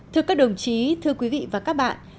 thưa các đồng chí thưa quý vị và các bạn